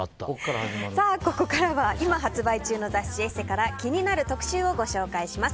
ここからは今発売中の雑誌「ＥＳＳＥ」から気になる特集をご紹介します。